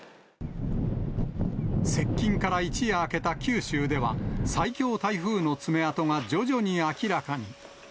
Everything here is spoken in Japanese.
接近から一夜明けた九州では、最強台風の爪痕が徐々に明らかに。